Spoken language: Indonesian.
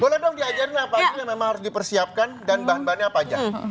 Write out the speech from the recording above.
boleh dong diajarin apa aja yang memang harus dipersiapkan dan bahan bahannya apa aja